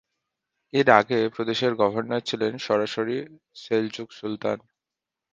এর আগে প্রদেশের গভর্নর ছিলেন সরাসরি সেলজুক সুলতান।